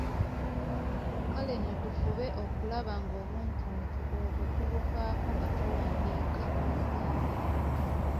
Kale nno tufube okulaba ng’obuntuntu obwo tubufaako nga tuwandiika Oluganda.